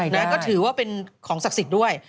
นะก็ถือว่าเป็นของศักดิ์สิทธิ์ด้วย